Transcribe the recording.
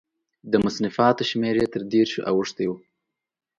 د مصنفاتو شمېر یې تر دېرشو اوښتی و.